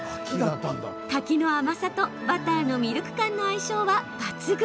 柿の甘さとバターのミルク感の相性は抜群。